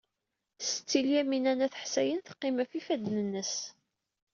Setti Lyamina n At Ḥsayen teqqim ɣef yifadden-nnes.